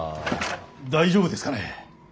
大丈夫ですかね。